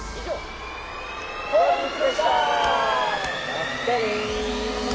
「まったね」